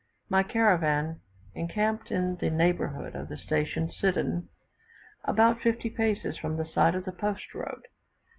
My caravan encamped in the neighbourhood of the station Sidin, about fifty paces from the side of the post road.